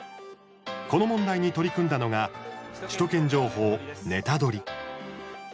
この問題に取り組んだのが「首都圏情報ネタドリ！」。